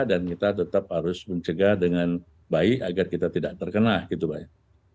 dan kita tetap harus mencegah dengan baik agar kita tidak terkena gitu pak